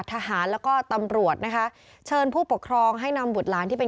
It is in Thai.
ทหารแล้วก็ตำรวจนะคะเชิญผู้ปกครองให้นำบุตรหลานที่เป็น